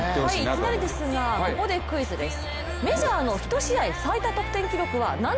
いきなりですがここでクイズです。